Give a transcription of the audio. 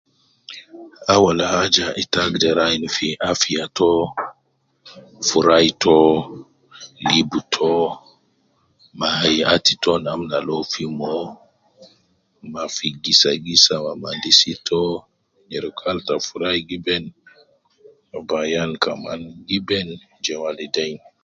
Awel haja ita agder ayin fi afiya to, furai to, libu to, ma hayat to namna al uwo fi mo, ma gisa gisa ma adisi to, nyereku al ta furai gi ben uwo bi ayan kaman ,giben ja waleidein